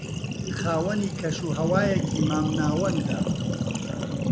خاوەنی کەش و ھەوایەکی مام ناوەندە